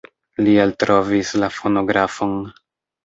Li eltrovis la fonografon.